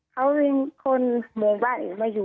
เขาเป็นคนหมู่บ้านนะครับ